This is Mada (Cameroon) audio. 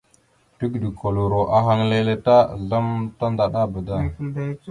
Tigəɗokoloro ahaŋ leele ta azlam tandaɗaba da.